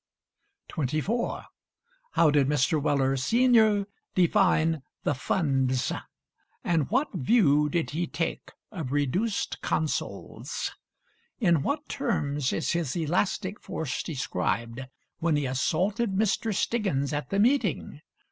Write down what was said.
24. How did Mr. Weller, senr., define the Funds; and what view did he take of Reduced Consols? In what terms is his elastic force described when he assaulted Mr. Stiggins at the meeting?